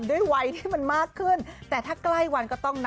ด้วยวัยที่มันมากขึ้น